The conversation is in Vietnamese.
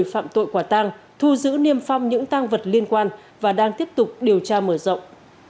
phạm tội quả tang thu giữ niêm phong những tăng vật liên quan và đang tiếp tục điều tra mở rộng